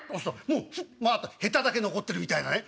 もうあとヘタだけ残ってるみたいなね。